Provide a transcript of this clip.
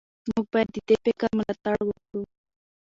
موږ باید د دې فکر ملاتړ وکړو.